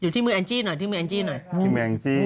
ดูที่มือแอลจี้หน่อย